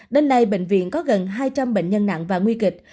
đến nay bệnh viện có gần hai trăm linh bệnh nhân nặng và nguy kịch